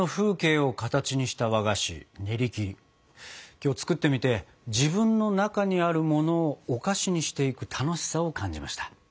今日作ってみて自分の中にあるものをお菓子にしていく楽しさを感じました。